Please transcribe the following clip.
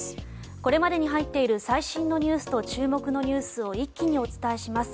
これまでに入っている最新ニュースと注目ニュースを一気にお伝えします。